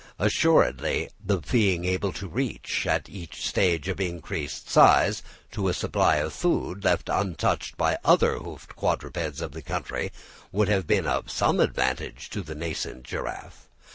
Assuredly the being able to reach, at each stage of increased size, to a supply of food, left untouched by the other hoofed quadrupeds of the country, would have been of some advantage to the nascent giraffe.